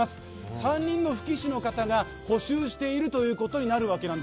３人のふき師の方が補修をしているということです。